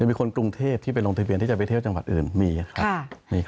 มีคนกรุงเทพที่ไปลงทะเบียนที่จะไปเที่ยวจังหวัดอื่นมีครับ